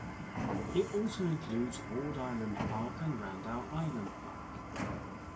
It also includes Ward Island Park and Randall Island Park.